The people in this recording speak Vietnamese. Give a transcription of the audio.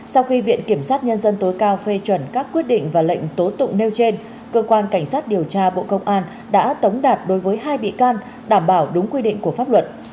sau khi viện kiểm sát nhân dân tối cao phê chuẩn các quyết định và lệnh tố tụng nêu trên cơ quan cảnh sát điều tra bộ công an đã tống đạt đối với hai bị can đảm bảo đúng quy định của pháp luật